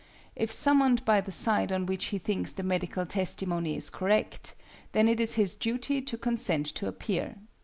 If summoned by the side on which he thinks the medical testimony is correct, then it is his duty to consent to appear.